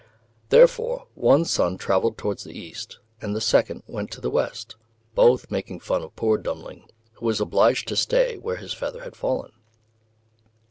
Therefore one son travelled towards the east, and the second went to the west, both making fun of poor Dummling, who was obliged to stay where his feather had fallen.